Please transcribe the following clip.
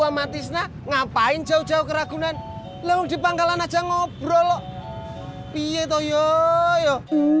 amatis nah ngapain jauh jauh keragunan lu di pangkalan aja ngobrol pieto yo yo